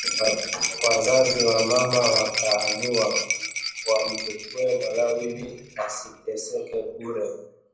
Wazazi wa mama wakaamua wamchukue mwanao ili asiteseke bure